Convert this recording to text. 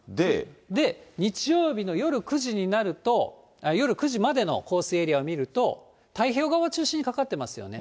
日曜日の夜９時になると、夜９時までの降水エリアを見ると、太平洋側を中心にかかってますよね。